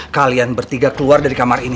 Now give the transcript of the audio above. kalian bertiga keluar dari kamar ini